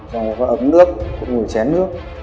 có ấm nước cũng như chén nước